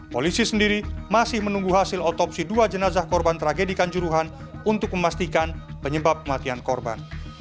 polisi sendiri masih menunggu hasil otopsi dua jenazah korban tragedikan juruhan untuk memastikan penyebab kematian korban